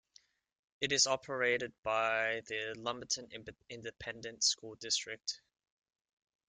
It is operated by the Lumberton Independent School District.